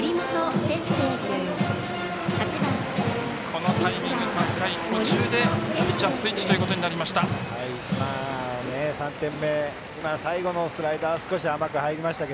このタイミング、３回途中でピッチャースイッチとなりました。